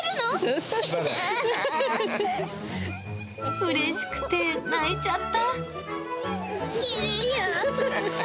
うれしくて泣いちゃった。